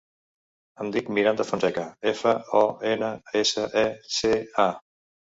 Em dic Miranda Fonseca: efa, o, ena, essa, e, ce, a.